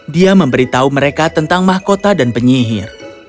dia memberitahu mereka tentang mahkota dan penyihir